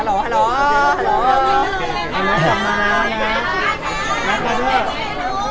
ยรอดลองรร้อน